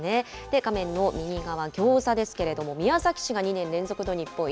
画面の右側、ギョーザですけれども、宮崎市が２年連続の日本一。